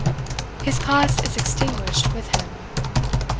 His class is extinguished with him.